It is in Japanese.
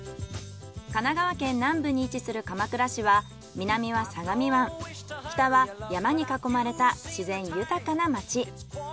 神奈川県南部に位置する鎌倉市は南は相模湾北は山に囲まれた自然豊かな街。